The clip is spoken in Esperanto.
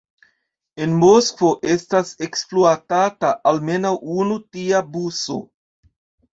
En Moskvo estas ekspluatata almenaŭ unu tia buso.